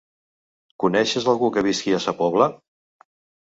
Coneixes algú que visqui a Sa Pobla?